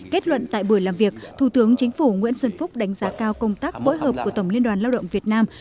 kết luận tại buổi làm việc thủ tướng chính phủ nguyễn xuân phúc đánh giá cao công tác phối hợp của tổng liên đoàn lao động việt nam